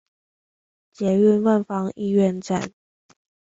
捷運萬芳醫院站